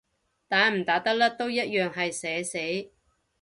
打唔打得甩都一樣係社死